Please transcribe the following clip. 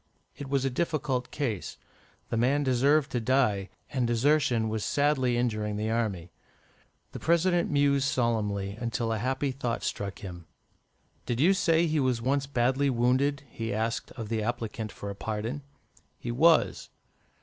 It was a difficult case; the young man deserved to die, and desertion was sadly injuring the army. The President mused solemnly, until a happy thought struck him. "Did you say he was once badly wounded?" he asked of the applicant for a pardon. "He was."